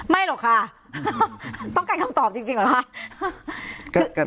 หรอกค่ะต้องการคำตอบจริงเหรอคะ